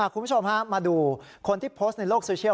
คุณผู้ชมฮะมาดูคนที่โพสต์ในโลกโซเชียล